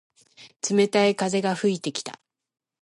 冷たい風が吹いてきた。